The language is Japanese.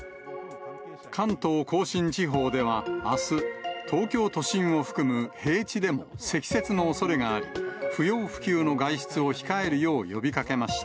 関東甲信地方では、あす、東京都心を含む平地でも積雪のおそれがあり、不要不急の外出を控えるよう呼びかけました。